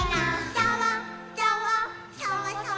さわさわっ！」